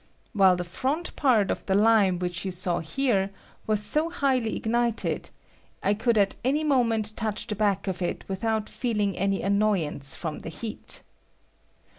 While the front part of the lime which you saw here was so highly ignited, I could at any moment touch the back of it without feeUng any annoyance from the heat.